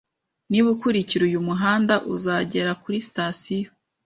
Niba ukurikira uyu muhanda, uzagera kuri sitasiyo